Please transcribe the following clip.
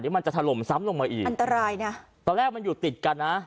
เดี๋ยวมันจะถล่มซ้ำลงมาอีกตอนแรกมันอยู่ติดกันนะ